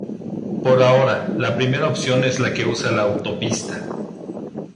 Por ahora, la primera opción, es la que usa la autopista.